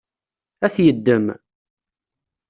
Ad t-yeddem?